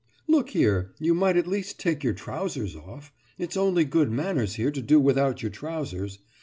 Look here, you might at least take your trousers off. It's only good manners here to do without your trousers.